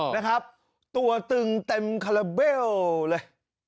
นะครับตัวตึงเต็มคาราเบลเลย